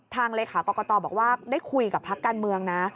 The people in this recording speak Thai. เลขากรกตบอกว่าได้คุยกับพักการเมืองนะ